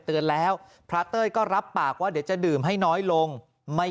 เตือนแล้วพระเต้ยก็รับปากว่าเดี๋ยวจะดื่มให้น้อยลงไม่